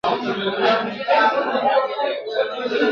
د زلمي ساقي له لاسه جام پر مځکه پرېوتلی !.